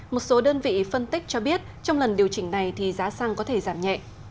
một số đơn vị phân tích cho biết trong lần điều chỉnh này thì giá xăng có thể giảm nhẹ